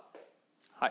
はい。